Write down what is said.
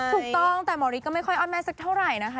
ถูกต้องแต่หมอฤทธิก็ไม่ค่อยอ้อนแม่สักเท่าไหร่นะคะ